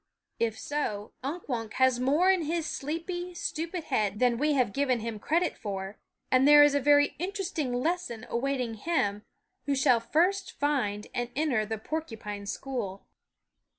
If so, Unk Wunk has more in his sleepy, stupid head than we have given him credit for, and there is a very interesting lesson awaiting him who shall first find and enter the porcu pine school.